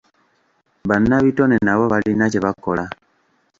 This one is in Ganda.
Bannabitone nabo balina kye bakola.